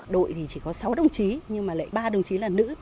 đội thì chỉ có sáu đồng chí nhưng mà lại ba đồng chí là nữ